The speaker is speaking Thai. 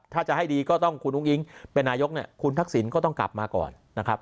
ถ้าจะให้ดีก็ต้องคุณอุ้งอิ๊งเป็นนายกเนี่ยคุณทักษิณก็ต้องกลับมาก่อนนะครับ